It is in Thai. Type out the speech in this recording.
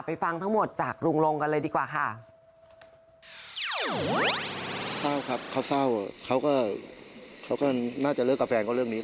ฟังทั้งหมดจากลุงลงกันเลยดีกว่าค่ะ